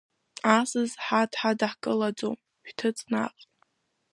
Асас, ҳа дҳадаҳкылаӡом, шәҭыҵ наҟ!